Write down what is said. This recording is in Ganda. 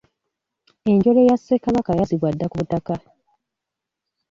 Enjole ya Ssekabaka yazzibwa dda ku butaka.